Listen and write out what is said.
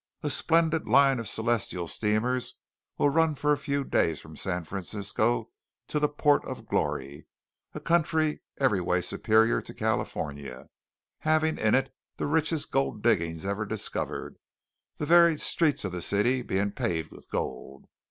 A splendid line of celestial steamers will run for a few days from San Francisco to the port of Glory, a country every way superior to California, having in it the richest gold diggings ever discovered, the very streets of the city being paved with gold.